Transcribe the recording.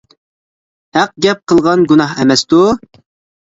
ھەق گەپ قىلغان گۇناھ ئەمەستۇ؟ !